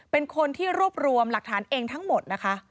เป็นคนที่รวบรวมหลักฐานเองทั้งหมดนะคะ